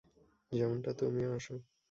যেমনটা তুমিও আসো।